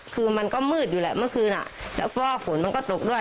คือมันก็มืดอยู่แหละเมื่อคืนอ่ะแล้วก็ฝนมันก็ตกด้วย